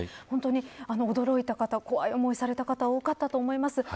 本当に驚いた方怖い思いをされた方多かったと思います。